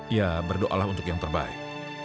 ya berdoalah untuk yang terbaik